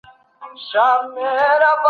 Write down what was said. د ده ژوند ته رڼا اچول کېږي